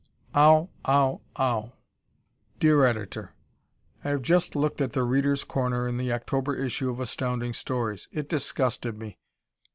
Ow! Ow! Ow! Dear Editor: I have just looked at "The Reader's Corner" in the October issue of Astounding Stories. It disgusted me.